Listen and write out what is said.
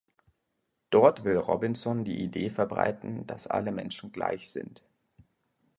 Dort will Robinson die Idee verbreiten, dass alle Menschen gleich sind.